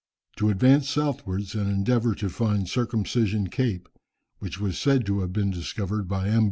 To advance southwards and endeavour to find Circumcision Cape, which was said to have been discovered by M.